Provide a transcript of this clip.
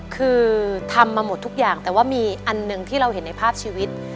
คือทำมาหมดทุกอย่างแต่ว่ามีอันหนึ่งที่เราเห็นในภาพชีวิต